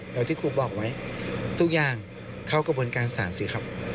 โดยที่ครูบอกไว้ทุกอย่างเข้ากระบวนการศาลสิครับ